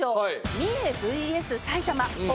三重ＶＳ埼玉心